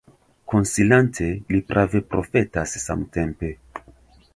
Konsilante, li prave profetas samtempe.